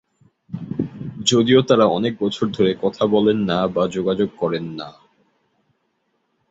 যদিও তারা অনেক বছর ধরে কথা বলেন না বা যোগাযোগ করেন না।